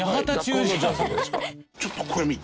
ちょっとこれ見て。